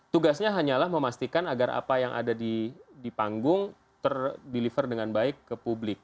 tugasnya hanyalah memastikan agar apa yang ada di panggung terdeliver dengan baik ke publik